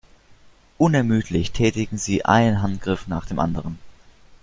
Unermüdlich tätigen sie einen Handgriff nach dem anderen.